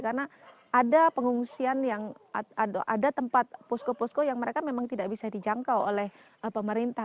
karena ada pengungsian yang ada tempat posko posko yang mereka memang tidak bisa dijangkau oleh pemerintah